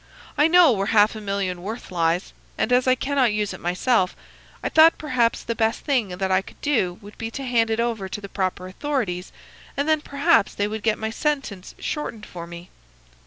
I know where half a million worth lies, and, as I cannot use it myself, I thought perhaps the best thing that I could do would be to hand it over to the proper authorities, and then perhaps they would get my sentence shortened for me.